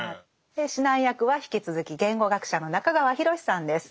指南役は引き続き言語学者の中川裕さんです。